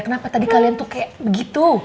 kenapa tadi kalian tuh kayak begitu